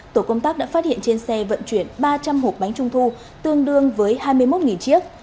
tổ công tác đã phát hiện trên xe vận chuyển ba trăm linh hộp bánh trung thu tương đương với hai mươi một chiếc